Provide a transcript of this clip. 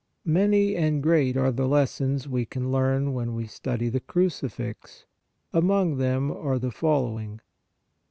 Many and great are the lessons we can learn when we study the Crucifix. Among them are the following : 1.